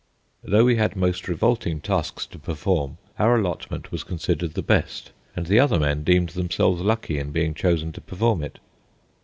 Though we had most revolting tasks to perform, our allotment was considered the best and the other men deemed themselves lucky in being chosen to perform it.